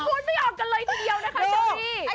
คุณก็พูดไม่ออกกันเลยทีเดียวนะคะชัลรี่